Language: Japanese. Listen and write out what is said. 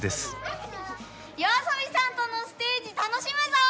ＹＯＡＳＯＢＩさんとのステージ楽しむぞ！